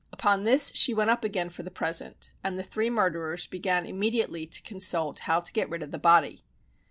Upon this she went up again for the present, and the three murderers began immediately to consult how to get rid of the body.